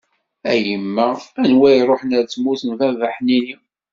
A yemma, anwa i ṛuḥen ar tmurt n baba ḥnini.